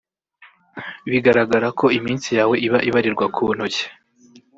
bigaragara ko iminsi yawe iba ibarirwa kuntoke